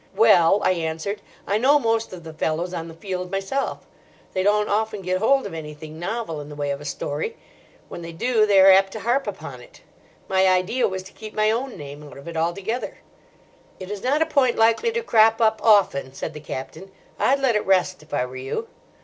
"Well," I answered, "I know most of the fellows on The Field myself. They don't often get hold of anything novel in the way of a story. When they do, they are apt to harp upon it. My idea was to keep my own name out of it altogether." "It is not a point likely to crop up often," said the Captain. "I'd let it rest if I were you."